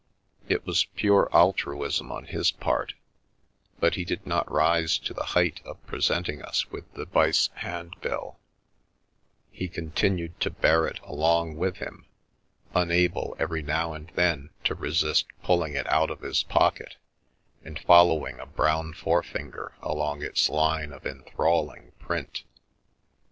It was pure altruism on his part, but he did not rise to the height of presenting us with the bice handbill — he continued to bear it along with him, unable every now and then to resist pulling it out of his pocket and following a brown forefinger along its lines of enthralling print.